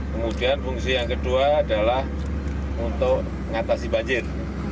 kemudian fungsi yang kedua adalah untuk mengatasi banjir